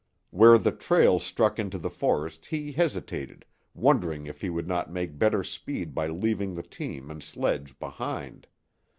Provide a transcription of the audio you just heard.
Where the trail struck into the forest he hesitated, wondering if he would not make better speed by leaving the team and sledge behind.